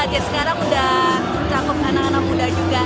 jazz sekarang sudah terangkap anak anak muda juga